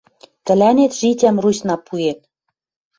Тӹлӓнет житям Русьна пуэн